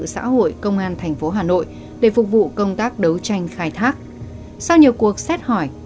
sau nhiều cuộc xét hỏi